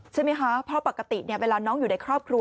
ใช่ไหมคะเพราะปกติเวลาน้องอยู่ในครอบครัว